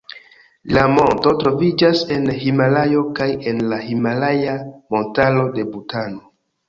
La monto troviĝas en Himalajo kaj en la himalaja montaro de Butano.